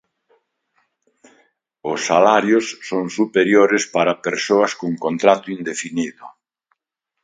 Os salarios son superiores para persoas con contrato indefinido.